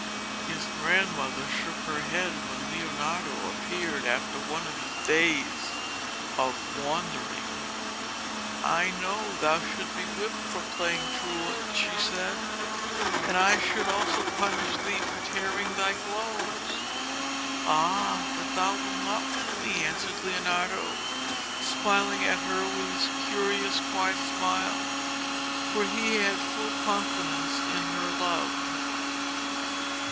His grandmother shook her head when Leonardo appeared after one of his days of wandering. 'I know thou shouldst be whipped for playing truant,' she said; 'and I should also punish thee for tearing thy clothes.' 'Ah! but thou wilt not whip me,' answered Leonardo, smiling at her with his curious quiet smile, for he had full confidence in her love.